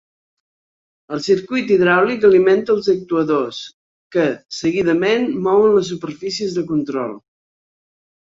El circuit hidràulic alimenta els actuadors que, seguidament, mouen les superfícies de control.